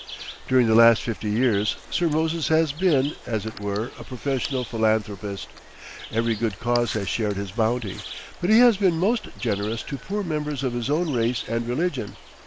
During the last fifty years Sir Moses has been, as it were, a professional philanthropist. Every good cause has shared his bounty, but he has been most generous to poor members of his own race and religion.